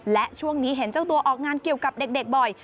และช่วงนี้เห็นเจ้าตัวออกงานเกี่ยวกับเด็กบ่อย